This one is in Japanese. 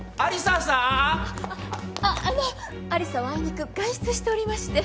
あっあっあの有沙はあいにく外出しておりまして。